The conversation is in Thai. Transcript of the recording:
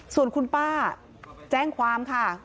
ส่วนคุณป้าแจ้งความค่ะ